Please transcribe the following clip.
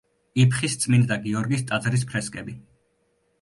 იფხის წმინდა გიორგის ტაძრის ფრესკები.